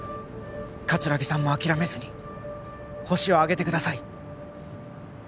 葛城さんも諦めずにホシを挙げてください